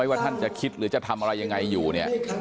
ว่าท่านจะคิดหรือจะทำอะไรยังไงอยู่เนี่ย